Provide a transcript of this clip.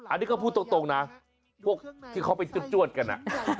อันนี้ก็พูดตรงนะพวกที่เขาไปจวดกัน